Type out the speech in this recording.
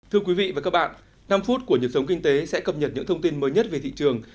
thưa quý vị và các bạn năm phút của nhật sống kinh tế sẽ cập nhật những thông tin mới nhất về thị trường